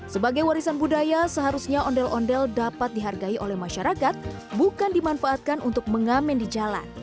sebagai warisan budaya seharusnya ondel ondel dapat dihargai oleh masyarakat bukan dimanfaatkan untuk mengamen di jalan